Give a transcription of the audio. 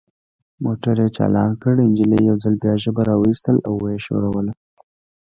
موټر یې چالان کړ، نجلۍ یو ځل بیا ژبه را وایستل او ویې ښوروله.